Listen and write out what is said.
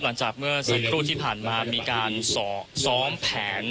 หลังจากเมื่อสักครู่ที่ผ่านมามีการซ้อมแผน